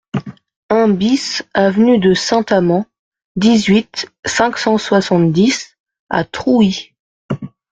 un BIS avenue de Saint-Amand, dix-huit, cinq cent soixante-dix à Trouy